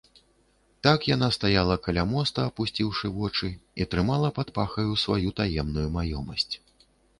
Так яна стаяла каля моста, апусціўшы вочы, і трымала пад пахаю сваю таемную маёмасць.